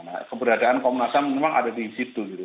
nah keberadaan komunasam memang ada di situ